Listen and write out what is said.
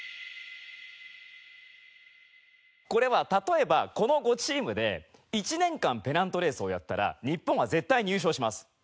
これは例えばこの５チームで１年間ペナントレースをやったら日本は絶対に優勝します。